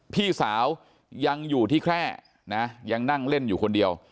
พี่สาวยังอยู่ที่แคร่นะยังนั่งเล่นอยู่คนเดียว